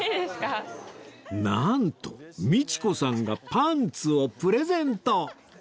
なんと道子さんがパンツをプレゼント